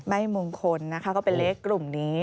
มงคลนะคะก็เป็นเลขกลุ่มนี้